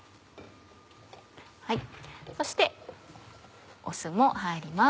そして酢も入ります。